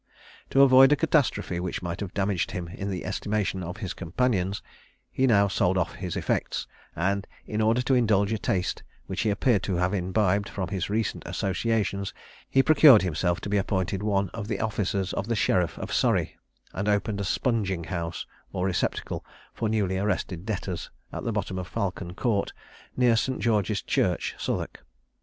To avoid a catastrophe which might have damaged him in the estimation of his companions, he now sold off his effects; and in order to indulge a taste which he appeared to have imbibed from his recent associations, he procured himself to be appointed one of the officers of the sheriff of Surrey, and opened a "sponging house," or receptacle for newly arrested debtors, at the bottom of Falcon court, near St. George's Church, Southwark.